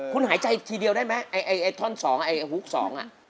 คุณหายใจอีกทีเดียวได้ไหมไอ้ท่อน๒ไอ้ฮุก๒น่ะ